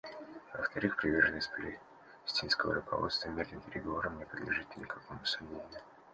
Во-вторых, приверженность палестинского руководства мирным переговорам не подлежит никакому сомнению.